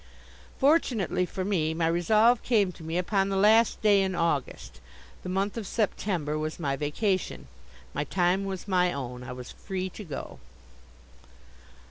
Fortunately for me, my resolve came to me upon the last day in August. The month of September was my vacation. My time was my own. I was free to go.